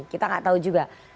kita gak tahu juga